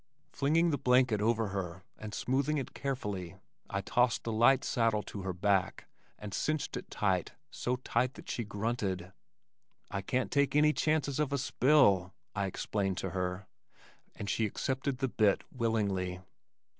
Flinging the blanket over her and smoothing it carefully, I tossed the light saddle to her back and cinched it tight, so tight that she grunted. "I can't take any chances of a spill," I explained to her, and she accepted the bit willingly.